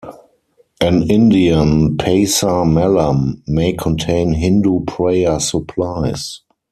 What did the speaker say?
An Indian pasar malam may contain Hindu prayer supplies.